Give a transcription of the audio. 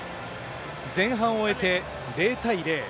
前半を終えて、０対０。